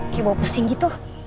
kayak bau pesing gitu